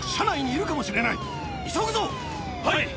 はい！